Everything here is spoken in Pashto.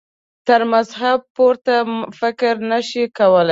تر مذهب پورته فکر نه شي کولای.